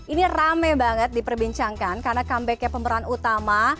ini rame banget diperbincangkan karena comebacknya pemeran utama